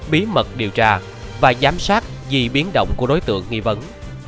bí mật điều tra và giám sát gì biến động của đối tượng nghi vấn